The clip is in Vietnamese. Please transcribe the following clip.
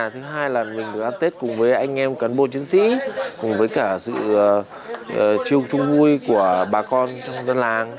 thứ hai là mình được ăn tết cùng với anh em cán bộ chiến sĩ cùng với cả sự chung chung vui của bà con trong dân làng